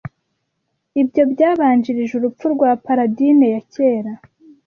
Ibyo byabanjirije urupfu rwa Paladine ya kera